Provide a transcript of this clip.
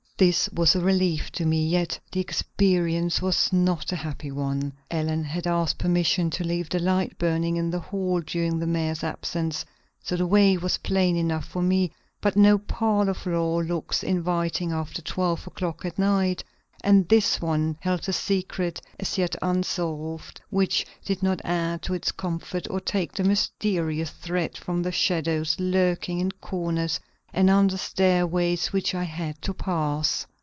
This was a relief to me, yet the experience was not a happy one. Ellen had asked permission to leave the light burning in the hall during the mayor's absence, so the way was plain enough before me; but no parlor floor looks inviting after twelve o'clock at night, and this one held a secret as yet unsolved, which did not add to its comfort or take the mysterious threat from the shadows lurking in corners and under stairways which I had to pass.